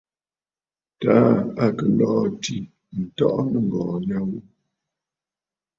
Taà à kɨ̀ lɔ̀ɔ̂ àtì ǹtɔʼɔ nɨ̂ŋgɔ̀ɔ̀ nya ghu.